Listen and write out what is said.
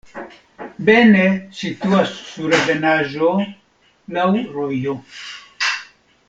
Bene situas sur ebenaĵo, laŭ rojo.